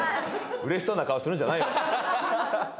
うれしそうな顔するんじゃないよ。